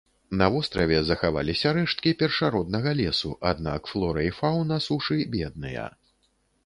На востраве захаваліся рэшткі першароднага лесу, аднак флора і фаўна сушы бедныя.